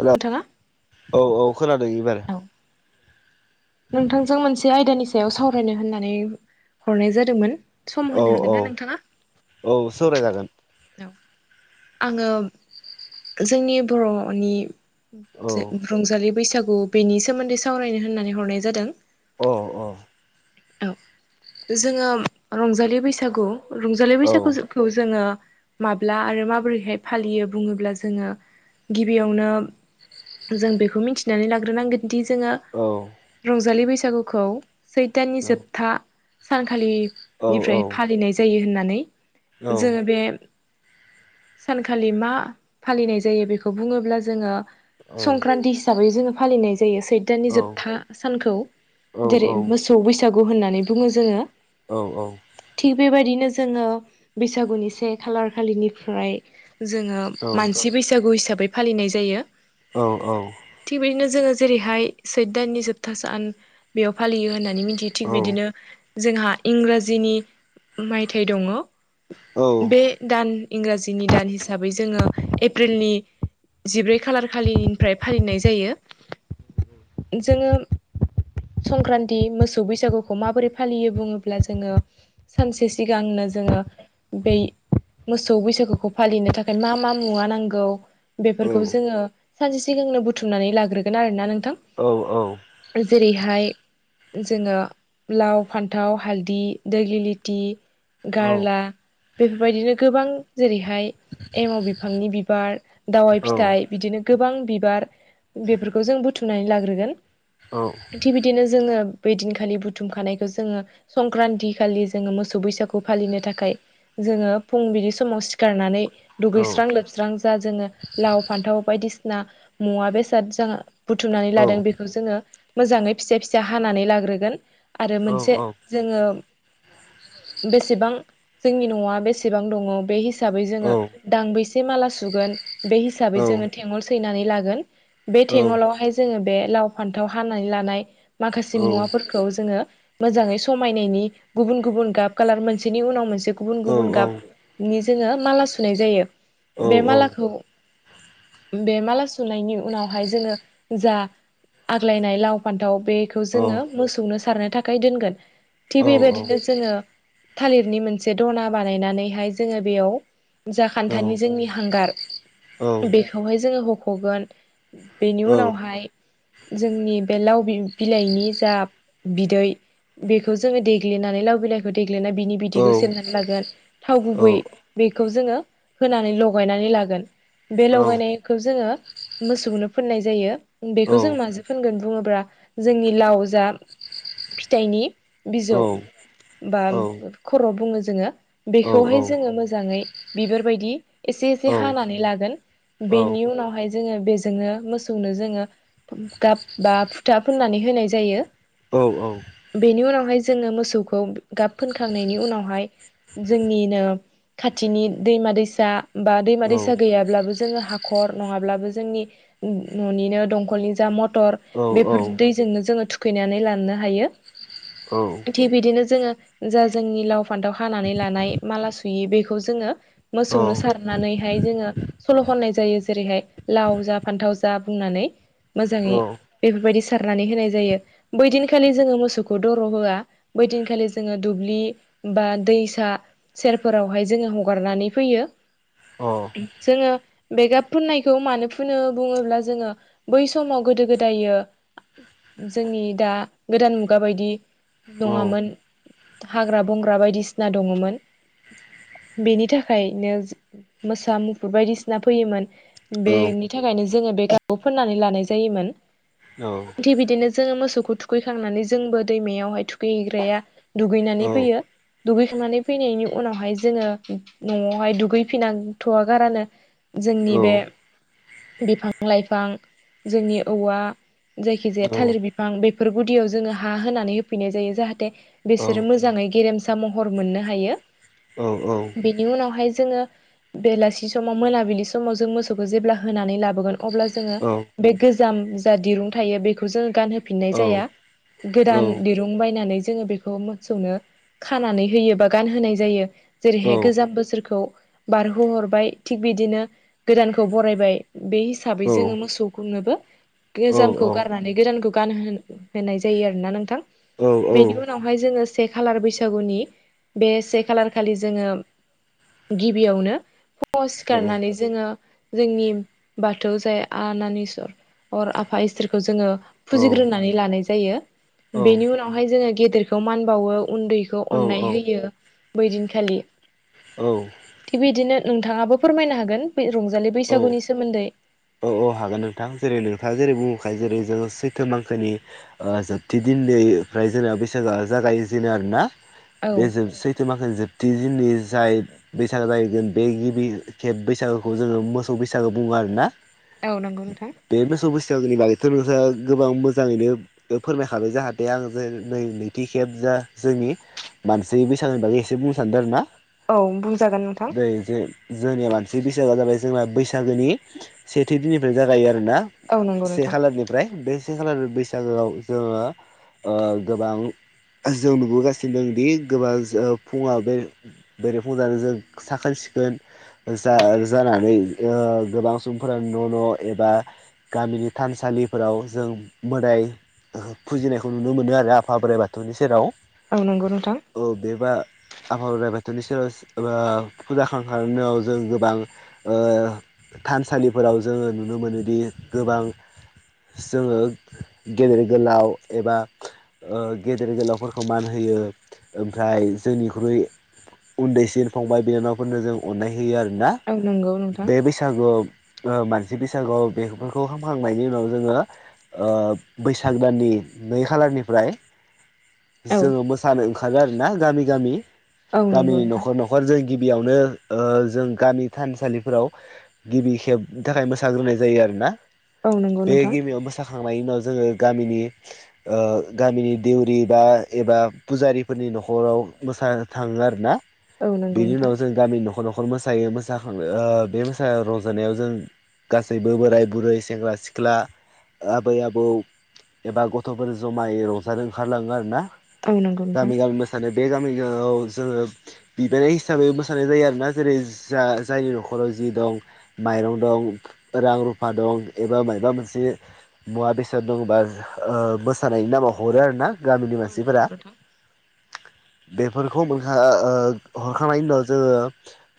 हेल' नोंथाङा औ-औ खोनादों एबार नोंथांजों मोनसे आयदानि सायाव सावरायनो होननानै हरनाय जादोंमोन सम औ होनो औ हागोनना नोंथाङा औ सावरायजागोन औ आङो जोंनि बर'नि रंजालि बैसागु बेनि सोमोन्दै सावरायनो होननानै हरनाय जादों अ-अ औ जोङो रंजालि बैसागु रंजालि औ बैसागुखौ जोङो माब्ला आरो माबोरैहाय फालियो बुङोब्ला जोङो गिबियावनो जों बेखौ मिथिनानै लाग्रोनांगोन दि जोङो औ रंजालि बैसागुखौ सैत दाननि जोबथा औ सानखालिनिफ्राय औ फालिनाय जायो होननानै औ जोङो बे सानखालि मा फालिनाय जायो बेखौ बुङोब्ला जोङो औ संक्रान्ति हिसाबै जोङो फालिनाय जायो इयो सैत्रनि जोबथा सानखौ जेरै मोसौ बैसागु होननानै बुङो जोङो औ औ। थिग बेबायदिनो जोङो बैसागुनि से खालार खालिनिफ्राय जोङो मानसि बैसागु हिसाबै फालिनाय जायो। औ औ। थिग बिदिनो जोङो जेरैहाय सैत दाननि जोबथा सान बेयाव फालियो होननानै मिथियो थिग बिदिनो जोंहा इंराजिनि मायथाइ दङ' बे दान इंराजिनि दान हिसाबै जोङो एप्रिलनि जिब्रै खालार खालिनिफ्राय फालिनाय जायो। जोङो संक्रान नि मोसौ बैसागुखौ माबोरै फालियो बुङोब्ला जोङो सानसे सिगांनो जोङो बै मोसौ बैसागुखौ फालिनो थाखाय मा मा मुवा नांगौ बेफोरखौ जोङो सानसे सिगांनो बुथुमनानै लाग्रोगोन आरोना नोंथां। औ औ। जेरैहाय जोङो लाव फान्थाव हालदि दैलि लिथि गारला बेफोरबायदिनो गोबां जेरैहाय एमाव बिफांनि बिबार, दावाइ फिथाइ बिदिनो गोबां बिबार बेफोरखौ जों बुथुमनानै लाग्रोगोन थि बिदिनो जोङो बे दिनखालि बुथुमखानायखौ जोङो संक्रान्ति खालि जोङो मोसौ बैसागु फालिनो थाखाय जोङो फुं बिदि समाव सिखारनानै दुगैस्रां लोबस्रां जा जोङो लाव फान्थाव बायदिसि ना मुवा बेसाद जा बुथुमनानै लादों बेखौ जोङो मोजाङै फिसा फिसा हानानै ला ग्रोगोन आरो मोनसे जोङो बेसेबां जोंनि न'आ बेसेबां दङ बे हिसाबै जोङो दांबैसे माला सुगोन बे हिसाबै जोङो थेङल सैनानै लागोन। बे थेङलावहाय जोङो बे लाव फान्थाव हानानै लानाय माखासे मुवा फोरखौ जोङो मोजाङै समायनायनि गुबुन गुबुन गाब कालार मोनसेनि उनाव मोनसे गुबुन गुबुन औ। नि जोङो माला सुनाय जायो। बे मालाखौ बे माला सुनायनि उनावहाय जोङो जा आग्लायनाय लाव फान्थाव बेखौ जोङो मोसौनो सारनो थाखाय दोनगोन। थिग बेबायदिनो जोङो थालिरनि मोनसे दना बानायनानैहाय जोङो बेयाव जा खान्थानि जोंनि हांगार बेखौहाय जोङो हख'गोन बेनि उनावहाय जोंनि बे लाव बि-बिलाइनि जा बिदै बेखौ जोङो देग्लिनानै लाव बिलाइखौ देग्लिनानै बिनि बिदैखौ सेबनानै लागोन थाव गुबै बेखौ जोङो होनानै लगायनानै लागोन। बे लगायनायखौ जोङो मोसौनो फोननाय जायो, औ बेखौ जों माजो फोनगोन बुङोब्ला जोंनि लाव जा फिथाइनि बिजौ औ बा औ खर' बुङो जोङो बेखौहाय जोङो मोजाङै बिबारबायदि एस् से एसे हानानै लागोन बेनि उनावहाय जोङो बेजोंनो मोसौनो जोङो गाब बा फुथा फुननानै होनाय जायो। औ औ। बेनि उनावहाय जोङो मोसौखौ गाब फोनखांनायनि उनावहाय जोंनिनो खाथिनि दैमा दैसा बा दैमा दैसा गैयाब्लाबो जोङो हाखर नङाब्लाबो जोंनि न'निनो दंखलनि जा मथर बेफोर दैजोंनो जोङो थुखैनानै ला नो हायो थि बिदिनो जोङो जा जोंनि लाव फान्थाव हानानै लानाय माला सुयो बेखौ जोङो मोसौनो सारनानैहाय जोङो सल खननाय जायो जेरैहाय लाव जा फान्थाव जा होननानै मोजाङै बेफोरबायदि सारनानै होनाय जायो बैदिनखालि जोङो मोसौखौ दर होया बैदिनखालि जोङो दुब्लि बा दैसा सेरफोरावहाय जोङो हगारनानै फैयो जोङो बे गाब फुननायखौ मानो फुनो बुङोब्ला जोङो बै समाव गोदो गोदायो जोंनि या गोदान मुगा बायदि नङामोन हाग्रा बंग्रा बायदिसिना दङमोन बेनि थाखायनो मोसा मुफुर बायदिसिना फैयोमोन बेनि थाखायनो जोङो बे गाब खौ फुननानै लानाय जायोमोन थि बिदिनो जोङो मोसौखौ थुखैखांनानै जोंबो दैमायावहाय थुखैहैग्राया दुगैनानै फैयो दुगैखांनानै फैनायनि उनावहाय जोङो न'आवहाय दुगैफिननांथया गारानो जोंनि बे बिफां लाइफां जोंनि औवा जायखिजाया थालिर बिफां बे फोर गुदियाव जोङो हा होनानै होफैनाय जायो जाहाथे बिसोरो मोजाङै गेरेमसा महर मोननो हायो औ [inaudible] बेनि उनावहाय जोङो बेलासि समाव मोनाबिलि समाव जों मोसौखौ जेब्ला होनानै लाबोगोन अब्ला जोङो बे गोजाम जा दिरुं थायो बेखौ जोङो गानहोफिननाय जाया गोदान औ दिरुं बायनानै जोङो बेखौ मोसौनो खानानै होयो बा गानहोनाय जायो जेरैहाय गोजाम बोसोरखौ बारहोहरबाय थिग बे बिदिनो गोदानखौ बरायबाय बे हिसाबै जोङो मोसौखौनोबो गोजामखौ गारनानै गोदानखौ गान हो होनाय जायो आरोना नोंथां बेनि उनावहाय जोङो से खालार बैसागुनि बे से खालार खालि जोङो गिबियावनो फुङाव सिखारनानै जोङो जोंनि बाथौ जाय आनान इस्वर अर आफा इसोरखौ जोङो फुजिग्रोनानै लानाय जायो बेनि उनावहाय जोङो गेदेरखौ मान बावो उन्दैखौ अननाय होयो बैदिनखालि थिग बिदिनो नोंथाङाबो फोरमायनो हागोन बे रंजालि बैसागुनि सोमोन्दै औ हागोन नोंथां जेरै नोंथाङा बुंबोखाय जेरै जोङो सैथो मांखोनि ओ जोबथि दिननि ओमफ्राय जोंना बैसागोआ जागायजेनो आरो ना औ बे जोब सैथो माखो जोब थि दिननि जाय बैसागो जाहैगोन बे गिबि खेब बैसागोखौ जोङो मोसौ बैसागो बुङो आरो ना औ नंगौ नोंथां बैसागोनि बागैथ' नोंथाङा गोबां मोजाङैनो फोरमायखाबाय जाहाथे आं जे नै नैथि खेब जोंनि मानसि बैसागोनि बागै एसे बुंनो सानदों आरो ना औ बुंजागोन नोंथां जोंनिया मानसि बैसागुआ जाबाय जोंहा बैसागोनि सेथि दिननिफ्राय जागायो आरो ना औ नंगौ से नोंथां खालारनिफ्राय बे से खालार बैसागोआव जोङो ओ गोबां जों नुबोगासिनो दं दि गोबां ओ फुङा बे बेरे फुं जानो जों साखोन सिख खोन जा जानानै गोबां ओ सुबुंफोरा न' न' एबा गामिनि थानसालिफोराव जों मोदाय फुजिनायखौ नुनो मोनो आरो आफा बोराइ बाथौनि सेराव औ नंगौ नोंथां औ बेबा आफा बोराइ बा नि सेराव ओ फुजा खामखांनायनि उनावजों गोबां ओ थानसालिफोराव जोङो नुनो मोनोदि गोबां जोङो गेदेर गोलाव एबा ओ गेदेर गोलावफोरखौ मान होयो ओमफ्राय जोंनिख्रुइ उन्दैसिन फंबाय बिनानाफोरनो जों अननाय होयो आरोना औ नंगौ नोंथां बे बैसाग मानसि बैसागुआव बेफोरखौ खालामखांनायनि उनाव जोङो ओ बैसाग दाननि नै खालारनिफ्राय औ जोङो मोसानो ओंखारो आरो ना गामि गामि औ नंगौ गामिनि नोंथां न'खर न'खर जों गिबियावनो ओ जों गामि थानसालिफोराव गिबि खेबनि थाखाय मोसाग्रोनाय जायो आरो ना औ नंगौ बे नोंथां गिबियाव मोसाखां नायनि उनाव जोङो गामिनि ओ गामिनि देउरि बा एबा फुजारिफोरनि न'खराव मोसानो थाङो आरो ना औ नंगौ बेनि नोंथां उनाव जों गामिनि न'खर न'खर मोसायो मोसांखां ओ रंजानायाव जों गासैबो बोराय बुरै सेंग्रा सिख्ला आबै आबौ एबा गथ'फोर जमायै रंजानो ओंखारलाङो आरो ना औ नंगौ नोंथां गामि गामि मोसानाय बे गामि [unintelligible] जोङो बिबायनाय हिसाबै जि दं माइरं दं रां रुफा दं एबा माइबा मोनसे मुवा बेसाद दङबा ओ मोसानायनि नामाव हरो आरोना गामिनि औ मानसिफोरा नंगौ नोंथां बेफोरखौ मोनखां ओ हरखांनायनि उनाव जोङो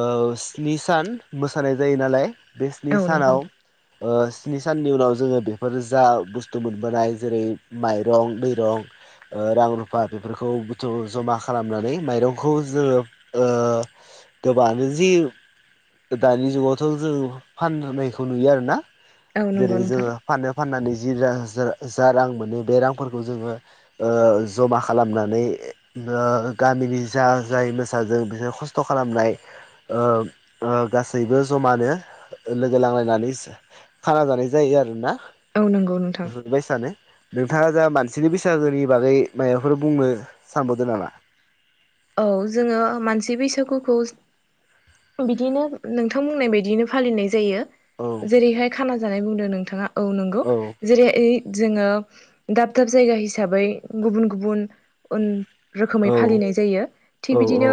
ओ स्नि सान मोसानाय जायो नालाय बे स्नि औ नंगौ सानाव नोंथां ओ स्नि साननि उनाव जोङो बेफोर जा बुस्थु मोनबोनाय जेरै माइरं दैरं ओ रां रुफा बेफोरखौ बुथुम जमा खालामनानै माइरंखौ जोङो ओ गोबाङानो जि दानि जुगावथ' जों फाननायखौ नुयो आरो ना औ नंगौ जेरै नोंथां जोङो फाननो फाननानै जिरा जा रां मोनो बे रांफोरखौ जोङो ओ जमा खालामनानै ओ गामिनि जा जाय मोसादों बिसोर खस्थ' खालामनाय ओ ओ गासैबो जमानो लोगो लांलायनानै खाना जानाय जायो आरोना औ नंगौ नोंथां बेफोरबायसानो नोंथाङा जा मानसिनि बैसागोनि बागै मायाफोर बुंनो सानबावदों नामा औ जोङो मानसि बैसागुखौ बिदिनो नोंथां होननाय बायदिनो फालिनाय जायो औ जेरैहाय खाना जानाय बुंदों नोंथाङा औ नंगौ जेरैहाय जोङो दाब दाब जायगा हिसाबै गुबुन गुबुन उन रोखोमै औ फालिनाय जायो औ थिग बिदिनो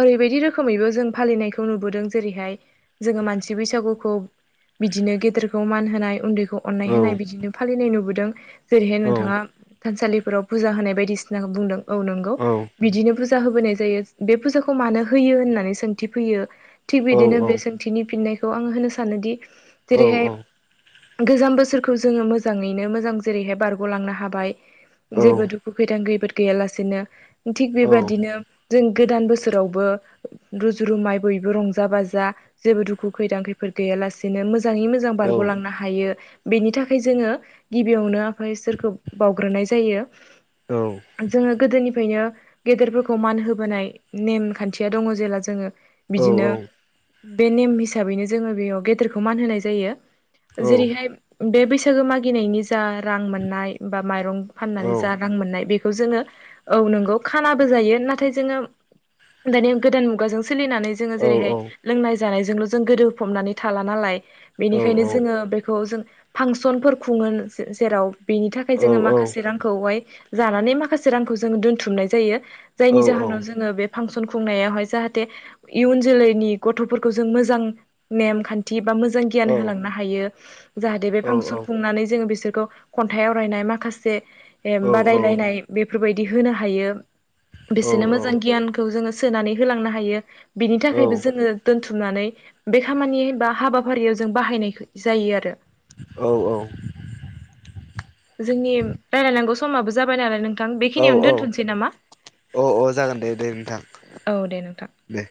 ओरैबायदि रोखोमैबो जों फालिनायखौ नुबोदों जेरैहाय जोङो मानसि बैसागुखौ बिदिनो गेदेरखौ मान होनाय उन्दैखौ खौ औ अननाय होनाय बिदिनो फालिनाय नुबोदों जेरैहाय औ नोंथाङा थानसालिफोराव फुजा होनाय बायदिसिना बुंदों औ नंगौ बिदिनो फुजा होबोनाय जायो बे फुजाखौ मानो होयो होननानै सोंथि फैयो थिग औ बिदिनो बे सोंथिनि फिननायखौ आङो होनो सानोदि औ जेरैहाय औ गोजाम बोसोरखौ जोङो मोजाङैनो मोजां जेरैहाय बारग'लांनो हाबाय औ जेबो दुखु खैदां खैबोद गैयालासेनो थिग बेबादिनो जों गोदान बोसोरावबो रुजु रुमाय बयबो रंजा बाजा जेबो दुखु खैदां खैफोद गैया लासेनो मोजाङै मोजां बारग'लांनो हायो बेनि थाखाय जोङो गिबियावनो इसोरखौ बावग्रोनाय जायो औ जोङो गोदोनिफ्रायनो गेदेरफोरखौ मान होबोनाय नेम खान्थिया दङ जेला जोङो बिदिनो औ औ बे नेम हिसाबैनो जोङो बेयाव गेदेरखौ मान होनाय जायो औ जेरैहाय बे बैस थ मागिनायनि जा रां मोननाय बा माइरं फाननानै जा रां मोननाय बे जोङो औ नोंगौ खाना जायो नाथाय जोङो दानि गोदान मुगाजों सोलिनानै जोङो औ जेरैहाय लोंनाय जानायजोंल' जों गोदोफबनानै थाला नालाय बेनिखायनो औ जोङो बेखौ जों फांसनफोर खुङो जेराव बेनि थाखाय जोङो औ माखासे रांखौहाय जानानै माखासे रांखौ जोङो दोन्थुमनाय जायो जायनि जाहोनाव जोंङो बे फांसन खुंनायावहाय जाहाथे इयुन जोलैनि गथ'फोरखौ जों मोजां नेम खान्थि बा मो जों गियान होलांनो हायो। जाहाथे बे फांसन खुंनानै जोंङो बिसोरखौ खन्थाइ आवरायनाय माखासे बे बादायलायनाय बेफोरबायदि होनो हायो बिसोरनो मोजां गियानखौ जोंङो सोनानै होलांनो हायो बिनि थाखायबो जोंङो दोन थुमनानै बे खामानि बा हाबाफारियाव जों बाहायनाय जायो आरो। औ औ जोंनि रायलायनांगौ समाबो जाबाय नालाय नोंथां औ बेखिनियावनो दोनथ'नोसै नामा औ औ जागोन दे दे नोंथां औ दे नोंथां दे